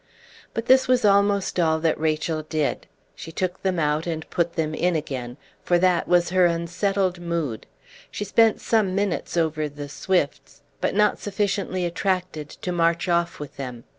But this was almost all that Rachel did; she took them out and put them in again, for that was her unsettled mood. She spent some minutes over the Swifts, but not sufficiently attracted to march off with them.